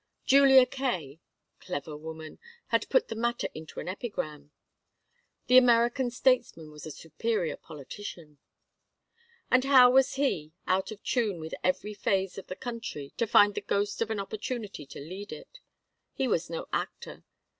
Julia Kaye clever woman! had put the matter into an epigram. The American statesman was the superior politician. And how was he, out of tune with every phase of the country, to find the ghost of an opportunity to lead it? He was no actor.